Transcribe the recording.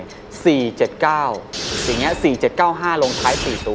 อย่างนี้๔๗๙๕ลงท้าย๔ตัวนะครับ